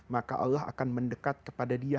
maka allah akan mendekat kepada dia